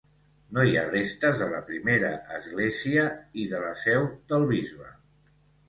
No hi ha restes de la primera església i de la seu del bisbe.